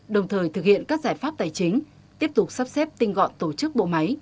đồng thời thực hiện các giải pháp tài chính tiếp tục sắp xếp tinh gọn tổ chức bộ máy